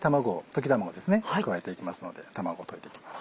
溶き卵ですね加えていきますので卵溶いていきます。